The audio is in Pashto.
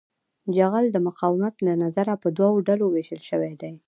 جغل د مقاومت له نظره په دوه ډلو ویشل شوی دی